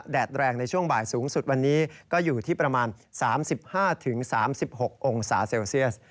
แรงในช่วงบ่ายสูงสุดวันนี้ก็อยู่ที่ประมาณ๓๕๓๖องศาเซลเซียส